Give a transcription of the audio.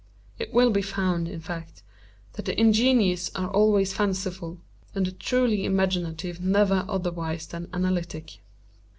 It will be found, in fact, that the ingenious are always fanciful, and the truly imaginative never otherwise than analytic.